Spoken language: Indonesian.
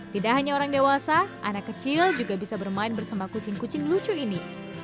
tidak hanya orang dewasa anak kecil juga bisa bermain bersama kucing kucing lucu ini